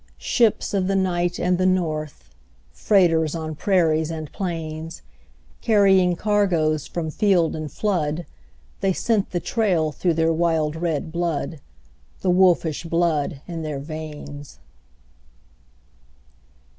Ships of the night and the north, Freighters on prairies and plains, Carrying cargoes from field and flood They scent the trail through their wild red blood, The wolfish blood in their veins.